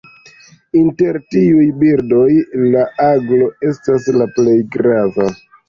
Inter tiuj birdoj la aglo estas la plej grava.